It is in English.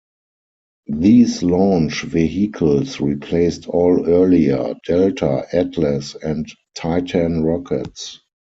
These launch vehicles replaced all earlier Delta, Atlas, and Titan rockets.